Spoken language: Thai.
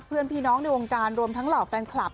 เพื่อนพี่น้องในวงการรวมทั้งเหล่าแฟนคลับ